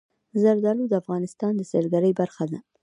زردالو د افغانستان د سیلګرۍ برخه ده.